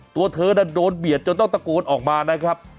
ตัวเธอน่ะโดนเบียดจนต้องตะโกนออกมานะครับ